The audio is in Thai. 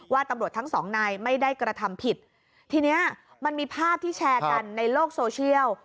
ตำรวจทั้งสองนายไม่ได้กระทำผิดทีเนี้ยมันมีภาพที่แชร์กันในโลกโซเชียล